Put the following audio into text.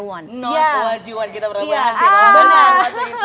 bukan yang kamu inginkan kita berpulang pulang sih